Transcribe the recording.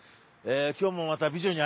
今日もまた美女に。